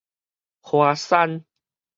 華山